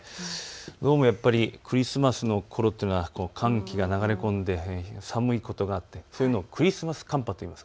どうもやっぱりクリスマスのころというのは寒気が流れ込んで寒いことがあってそれをクリスマス寒波というんです。